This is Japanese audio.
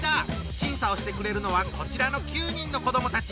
審査をしてくれるのはこちらの９人の子どもたち。